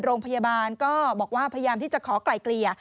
โรงพยาบาลก็บอกว่าพยายามที่จะขอไกลเกลี่ย